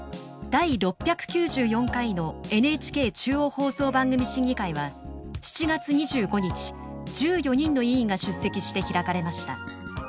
第６９４回のＮＨＫ中央放送番組審議会は７月２５日１４人の委員が出席して開かれました。